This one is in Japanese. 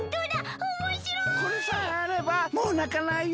これさえあればもうなかないよ。